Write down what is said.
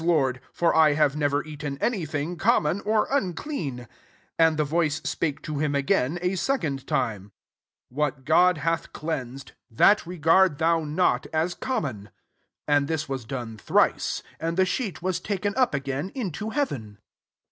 Lord : foi I have never eaten any thini common or unclean.'* 15 Aw the voice 9fiake to him agsdn second time, " What God hath cleansed^ that regard thou not ACTS X. 8ir as common*'' 16 And this was done thrice : and the sheet was taken up [again] into heaven.